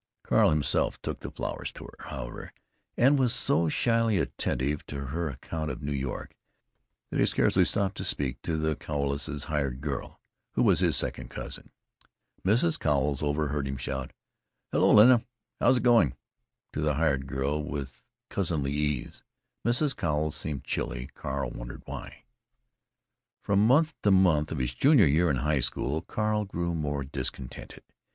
Carl himself took the flowers to her, however, and was so shyly attentive to her account of New York that he scarcely stopped to speak to the Cowleses' "hired girl," who was his second cousin.... Mrs. Cowles overheard him shout, "Hello, Lena! How's it going?" to the hired girl with cousinly ease. Mrs. Cowles seemed chilly. Carl wondered why. From month to month of his junior year in high school Carl grew more discontented.